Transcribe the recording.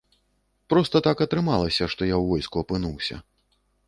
Проста так атрымалася, што я ў войску апынуўся.